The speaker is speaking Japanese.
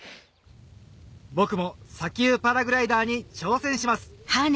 僕も砂丘パラグライダーに挑戦します